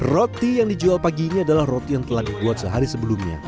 roti yang dijual pagi ini adalah roti yang telah dibuat sehari sebelumnya